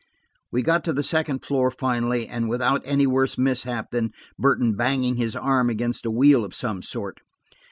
We got to the second floor, finally, and without any worse mishap than Burton banging his arm against a wheel of some sort.